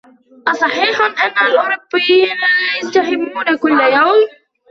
أصحيح أن الأوروبيين لا يستحمون كل يوم ؟